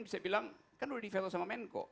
saya bilang kan udah di veto sama menko